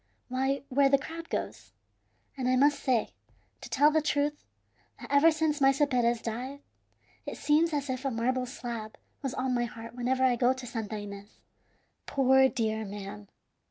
Why, where the crowd goes. And I must say, to tell the truth, that ever since Maese Perez died, it seems as if a marble slab was on my heart whenever I go to Santa Ines. Poor dear man!